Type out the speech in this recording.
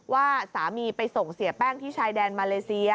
ว่าสามีไปส่งเสียแป้งที่ชายแดนมาเลเซีย